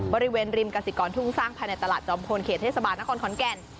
บริเวณริมกสิกรทุ่งสร้างภายในตลาดจอมพลเขตเทศบาลนครขอนแก่น